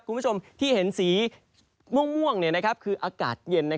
คุณผู้ชมที่เห็นสีม่วงคืออากาศเย็น